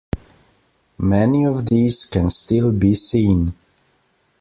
Many of these can still be seen.